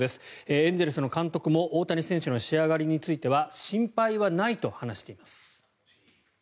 エンゼルスの監督も大谷選手の仕上がりについては心配はないと話しています。